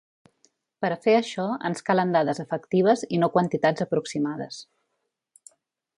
Per a fer això ens calen dades efectives i no quantitats aproximades.